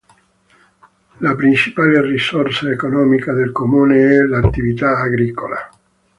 La principale risorsa economica del comune è l'attività agricola.